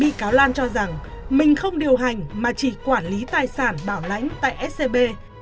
bị cáo lan cho rằng mình không điều hành mà chỉ quản lý tài sản bảo lãnh tại scb